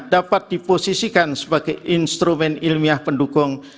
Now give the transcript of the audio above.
dapat diposisikan sebagai instrumen ilmiah pendukung